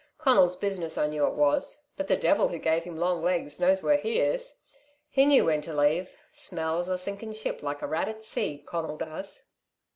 Conal's business I knew it was; but the devil who gave him long legs knows where he is. He knew when to leave. Smells a sinking ship like a rat at sea, Conal does."